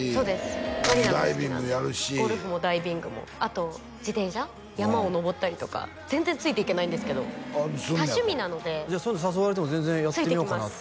茉璃奈が好きなんでダイビングやるしゴルフもダイビングもあと自転車山を登ったりとか全然ついていけないんですけど多趣味なのでそういうの誘われても全然やってみようかなって？